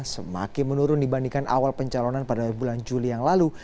semakin menurun dibandingkan awal pencalonan pada bulan juli yang lalu